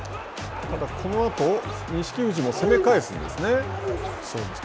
ただ、このあと、錦富士も攻め返すんですね。